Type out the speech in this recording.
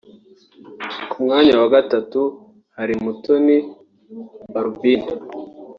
Ku mwanya wa gatatu hari Mutoni Balbine